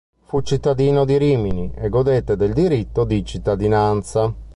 Fu cittadino di Rimini e godette del diritto di cittadinanza.